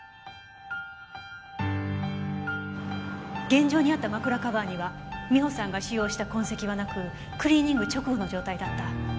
現場にあった枕カバーには美帆さんが使用した痕跡はなくクリーニング直後の状態だった。